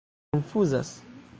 konfuzas